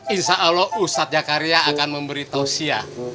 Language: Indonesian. insya allah ustadz zakaria akan memberi tausiyah